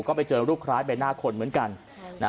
ก็ไปเจอรูปคล้ายใบหน้าคนเหมือนกัน